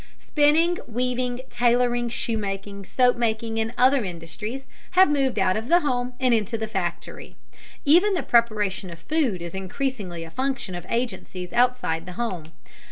Spinning, weaving, tailoring, shoe making, soap making, and other industries have moved out of the home and into the factory. Even the preparation of food is increasingly a function of agencies outside the home.